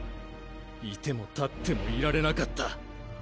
いても立ってもいられなかった。